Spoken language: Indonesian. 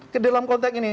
kedalam konteks ini